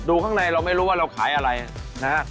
ข้างในเราไม่รู้ว่าเราขายอะไรนะฮะ